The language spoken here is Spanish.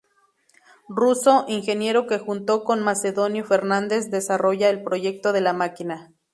Russo: ingeniero que junto con Macedonio Fernández desarrolla el proyecto de la máquina.